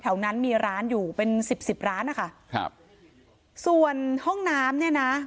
แถวนั้นมีร้านอยู่เป็นสิบสิบร้านนะคะครับส่วนห้องน้ำเนี่ยนะ